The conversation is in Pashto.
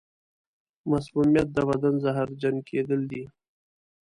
مسمومیت د بدن زهرجن کېدل دي.